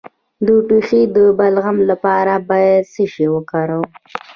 د ټوخي د بلغم لپاره باید څه شی وکاروم؟